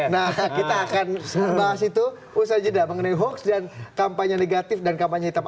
nah kita akan bahas itu usaha jeda mengenai hoax dan kampanye negatif dan kampanye hitam